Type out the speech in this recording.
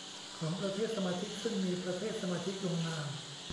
ของประเทศสมาชิกซึ่งมีประเทศสมาชิกลงนาม